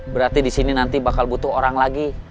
berarti di sini nanti bakal butuh orang lagi